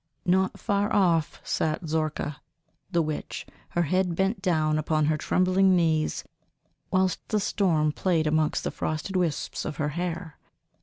Not far off sat Zorka, the witch, her head bent down upon her trembling knees, whilst the storm played amongst the frosted wisps of her hair.